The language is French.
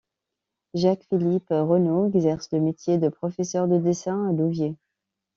Jacques-Philippe Renout exerce le métier de professeur de dessin à Louviers.